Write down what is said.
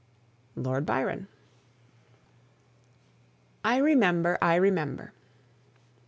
LORD BYRON. I REMEMBER, I REMEMBER.